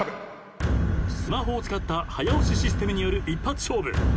スマホを使った早押しシステムによる一発勝負。